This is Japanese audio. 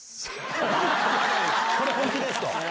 これ本気です！と。